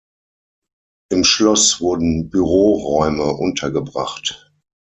Im Schloss wurden Büroräume untergebracht.